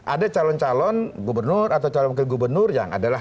ada calon calon gubernur atau calon wakil gubernur yang adalah